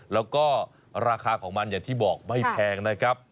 แล้วก็ราคาของมันอย่างที่บอกไม่แพงนะครับ